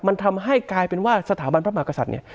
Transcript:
มันทำให้กลายเป็นว่าสถาบันพระมหากษัตริย์เนี่ย